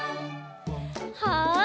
はい。